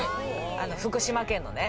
福島県のね。